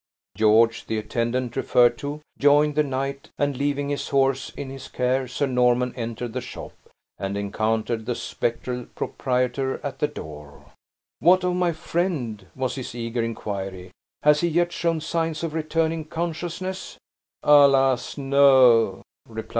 George the attendant referred to joined the knight, and leaving his horse in his care, Sir Norman entered the shop, and encountered the spectral proprietor at the door. "What of my friend?" was his eager inquiry. "Has he yet shown signs of returning consciousness?" "Alas, no!"